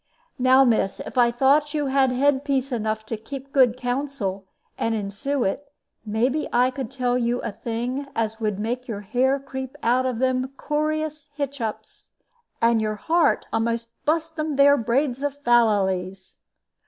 Now, miss, if I thought you had head piece enough to keep good counsel and ensue it, maybe I could tell you a thing as would make your hair creep out of them coorous hitch ups, and your heart a'most bust them there braids of fallallies."